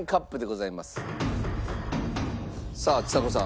さあちさ子さん。